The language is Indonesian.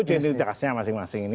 ini genuinitasnya masing masing